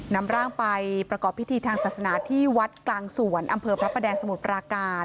นำร่างไปประกอบพิธีทางศาสนาที่วัดกลางสวนอำเภอพระประแดงสมุทรปราการ